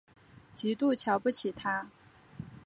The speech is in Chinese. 极度瞧不起他